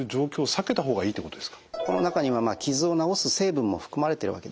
この中には傷を治す成分も含まれてるわけですよね。